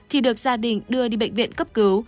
thì được gia đình đưa đi bệnh viện cấp cứu